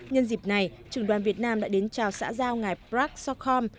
nhân dịp này trường đoàn việt nam đã đến chào xã giao ngài prat sokom